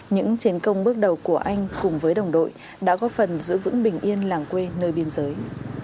những chiến công bước đầu của anh cùng với đồng đội đã góp phần giữ vững bình yên làng quê nơi biên giới